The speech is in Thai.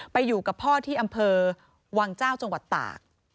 อยู่กับพ่อที่อำเภอวังเจ้าจังหวัดตาก